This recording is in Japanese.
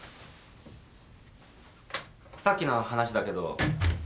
さっきの話だけど。